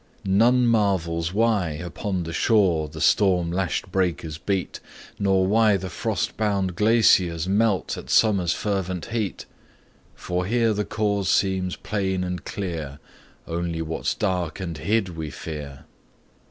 [M] None marvels why upon the shore The storm lashed breakers beat, Nor why the frost bound glaciers melt At summer's fervent heat; For here the cause seems plain and clear, Only what's dark and hid we fear.